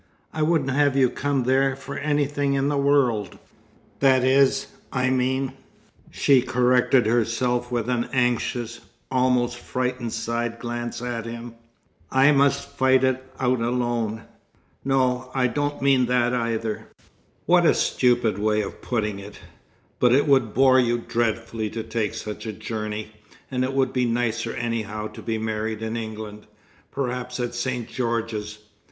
"I wouldn't have you come there for anything in the world. That is. I mean " she corrected herself with an anxious, almost frightened side glance at him "I must fight it out alone. No, I don't mean that either. What a stupid way of putting it! But it would bore you dreadfully to take such a journey, and it would be nicer anyhow to be married in England perhaps at St. George's.